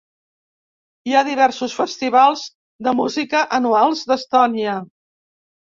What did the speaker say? Hi ha diversos festivals de música anuals d'Estònia.